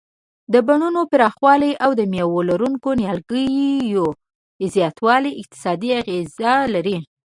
د بڼونو پراخوالی او د مېوه لرونکو نیالګیو زیاتول اقتصادي اغیز لري.